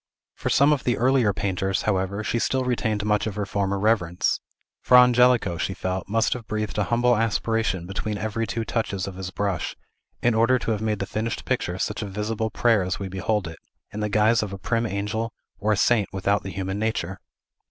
For some of the earlier painters, however, she still retained much of her former reverence. Fra Angelico, she felt, must have breathed a humble aspiration between every two touches of his brush, in order to have made the finished picture such a visible prayer as we behold it, in the guise of a prim angel, or a saint without the human nature.